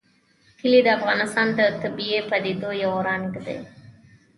کلي د افغانستان د طبیعي پدیدو یو رنګ دی.